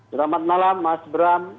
selamat malam mas bram